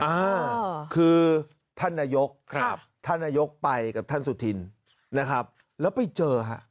อ่าคือท่านนายกท่านนายกไปกับท่านสุธินแล้วไปเจอ